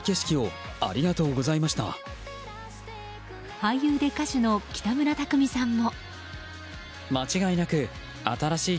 俳優で歌手の北村匠海さんも。